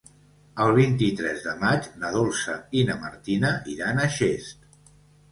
El vint-i-tres de maig na Dolça i na Martina iran a Xest.